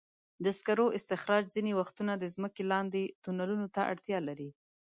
د سکرو استخراج ځینې وختونه د ځمکې لاندې تونلونو ته اړتیا لري.